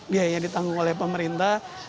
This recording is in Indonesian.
biayanya ditanggung oleh pemerintah